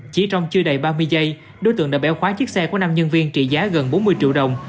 chỉ trong chưa đầy ba mươi giây đối tượng đã bẻo khóa chiếc xe của năm nhân viên trị giá gần bốn mươi triệu đồng